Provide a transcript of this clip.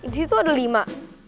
di situ ada lima